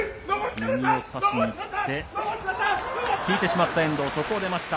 右を差しにいって、引いてしまった遠藤、出ました。